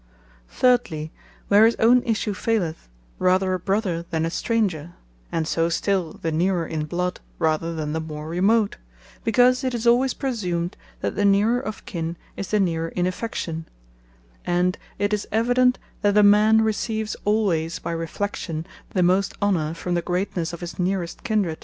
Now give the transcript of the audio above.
Thirdly, where his own Issue faileth, rather a Brother than a stranger; and so still the neerer in bloud, rather than the more remote, because it is alwayes presumed that the neerer of kin, is the neerer in affection; and 'tis evident that a man receives alwayes, by reflexion, the most honour from the greatnesse of his neerest kindred.